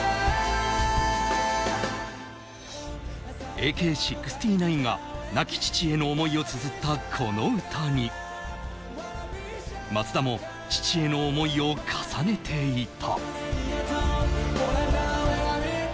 ＡＫ−６９が亡き父への思いを綴ったこの歌に、松田も父への思いを重ねていた。